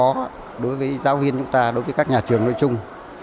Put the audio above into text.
đó là một quá trình khó đối với giáo viên chúng ta đối với các nhà trường nội trung